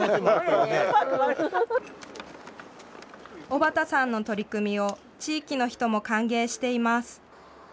尾畑さんの取り組みを、地域の人も歓迎しています。